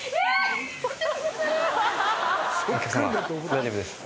大丈夫ですか？